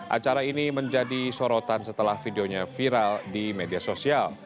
acara ini menjadi sorotan setelah videonya viral di media sosial